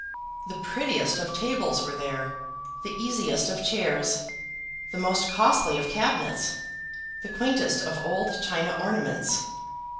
The prettiest of tables were there; the easiest of chairs; the most costly of cabinets; the quaintest of old china ornaments.